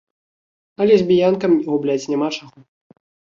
А лесбіянкам губляць няма чаго.